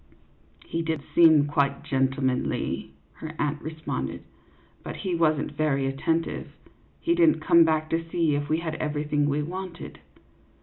"He did seem quite gentlemanly," her aunt re sponded, " but he was n't very attentive ; he did n't come back to see if we had everything we wanted."